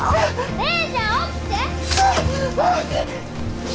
姉ちゃん起きて！